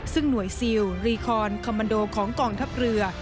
ซึ่งหน่วยซิลรีคอนคอมมันโดของกองทัพเรือ